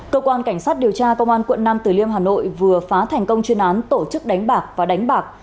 cơ quan cảnh sát điều tra công an quận nam tử liêm hà nội vừa phá thành công chuyên án tổ chức đánh bạc và đánh bạc